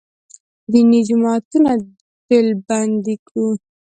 دیني جماعتونه ډلبندي کړو.